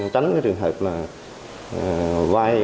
tránh cái trường hợp là vay